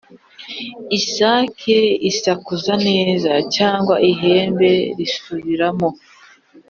isake isakuza neza, cyangwa ihembe risubiramo,